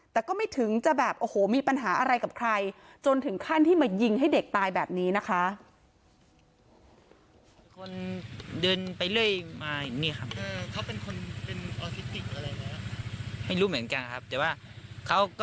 แต่ก็ไม่ถึงจะแบบโอ้โหมีปัญหาอะไรกับใครจนถึงขั้นที่มายิงให้เด็กตายแบบนี้นะคะ